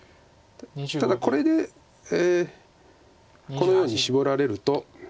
ただこれでこのようにシボられると。